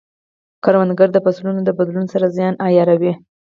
کروندګر د فصلونو د بدلون سره ځان عیاروي